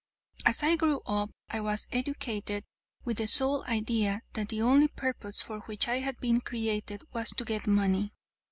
As I grew up, I was educated with the sole idea that the only purpose for which I had been created was to get money.